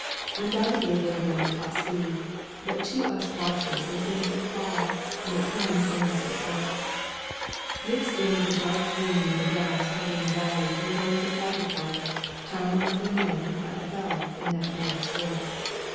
Undoubtedly they ran at top speed, but to us watchers they seemed to crawl, and at times almost to stop. Mixed in with the dark green of the grass covering the valley were rows of lighter color, telling of the men who fell in that mad sprint.